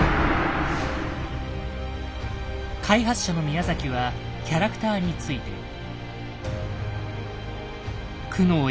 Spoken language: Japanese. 開発者の宮崎はキャラクターについてと語る。